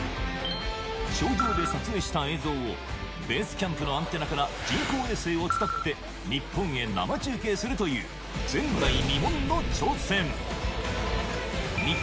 頂上で撮影した映像を、ベースキャンプのアンテナから、人工衛星を伝って日本へ生中継するという、前代未聞の挑戦。